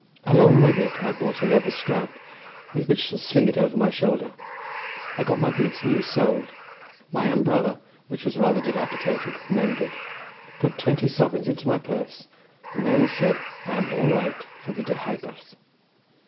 Along with it I bought a leather strap with which to sling it over my shoulder; I got my boots new soled, my umbrella, which was rather dilapidated, mended; put twenty sovereigns into my purse, and then said I am all right for the Deheubarth.